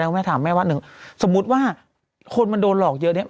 คุณแม่ถามแม่ว่าหนึ่งสมมุติว่าคนมันโดนหลอกเยอะเนี่ย